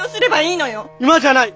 今じゃない。